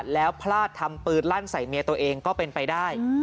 แล้วพลาดทำปืนลั่นใส่เมียตัวเองก็เป็นไปได้